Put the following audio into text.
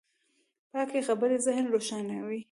پاکې خبرې ذهن روښانوي.